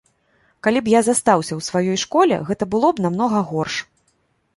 Калі б я застаўся ў сваёй школе, гэта было б намнога горш.